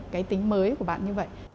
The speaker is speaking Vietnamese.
cái tính mới của bạn như vậy